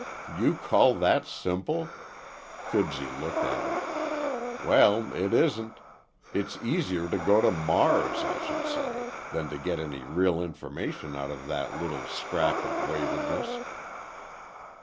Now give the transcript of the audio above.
"You call that simple!" Fibsy looked at him. "Well, it isn't. It's easier to go to Mars, I should say, than to get any real information out of that little scrap of waywardness."